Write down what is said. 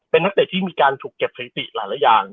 เป็นนักเตะที่มีการถูกเก็บสถิติหลายอย่าง